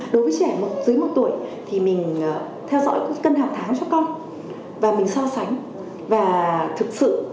đối với trẻ dưới một tuổi thì mình theo dõi cân hàng tháng cho con và mình so sánh và thực sự